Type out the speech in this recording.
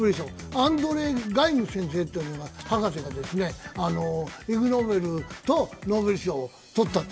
アンドレ・ガイム先生という博士がイグ・ノーベルとノーベルを取ったと。